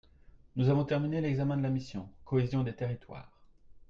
Nous avons terminé l’examen de la mission, Cohésion des territoires.